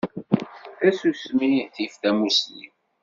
Tasusmi tif tamusni.